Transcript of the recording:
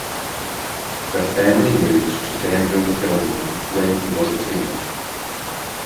The family moved to Danville, Illinois when he was a teenager.